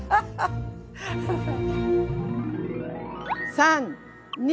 ３！２！